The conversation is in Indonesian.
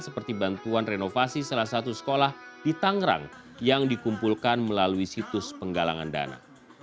seperti bantuan renovasi salah satu sekolah di tangerang yang dikumpulkan melalui situs penggalangan dana